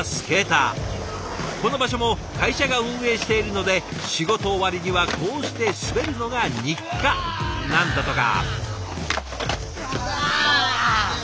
この場所も会社が運営しているので仕事終わりにはこうして滑るのが日課なんだとか。